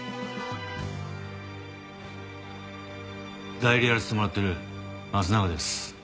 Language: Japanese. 代理やらせてもらってる益永です。